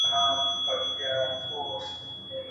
که چم جوړیدی هم د شیطان لخوا جوړیږي.